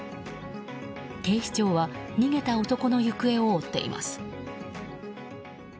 警視庁は逃げた男の行方を追っています。